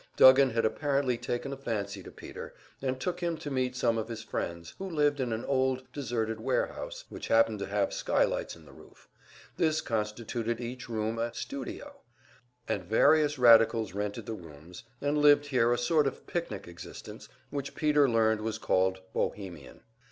Duggan had apparently taken a fancy to Peter, and took him to meet some of his friends, who lived in an old, deserted warehouse, which happened to have skylights in the roof; this constituted each room a "studio," and various radicals rented the rooms, and lived here a sort of picnic existence which Peter learned was called "Bohemian."